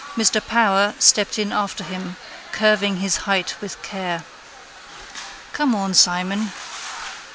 Mr Power stepped in after him, curving his height with care. —Come on, Simon.